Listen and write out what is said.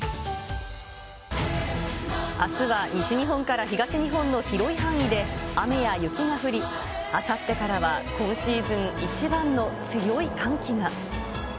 あすは西日本から東日本の広い範囲で雨や雪が降り、あさってからは今シーズン一番の強い寒気が。